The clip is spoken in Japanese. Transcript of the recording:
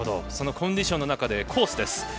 そのコンディションの中でコースです。